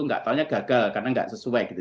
tidak tahunya gagal karena tidak sesuai gitu